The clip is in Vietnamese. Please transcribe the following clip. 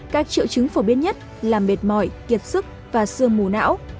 các triệu chứng phổ biến nhất là mệt mỏi kiệt sức và sương mù não